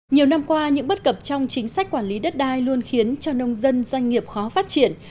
nhiều năm qua những bất cập trong chính sách quản lý đất đai luôn khiến cho nông dân doanh nghiệp khó phát triển